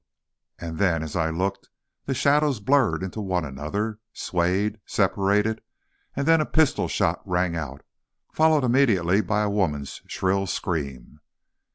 And then, as I looked, the shadows blurred into one another, swayed, separated, and then a pistol shot rang out, followed immediately by a woman's shrill scream.